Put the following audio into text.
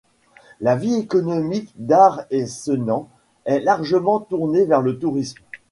La vie économique d'Arc-et-Senans est largement tournée vers le tourisme.